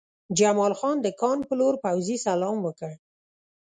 جمال خان د کان په لور پوځي سلام وکړ